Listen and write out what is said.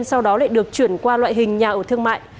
sau đó lại được chuyển qua loại hình nhà ở thương mại